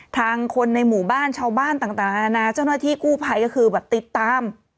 ทางคนในหมู่บ้านชาวบ้านต่างนานาเจ้าหน้าที่กู้ภัยก็คือแบบติดตาม